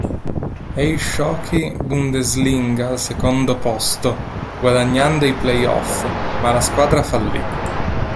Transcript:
Eishockey-Bundesliga al secondo posto, guadagnando i play-off, ma la squadra fallì.